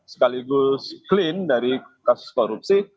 sekaligus clean dari kasus korupsi